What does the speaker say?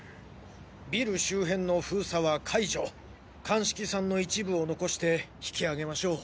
ビル周辺の封鎖は解除鑑識さんの一部を残して引きあげましょう。